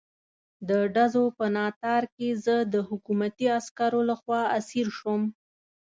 د ډزو په ناتار کې زه د حکومتي عسکرو لخوا اسیر شوم.